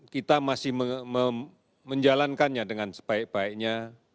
kita masih menjalankannya dengan sebaik baiknya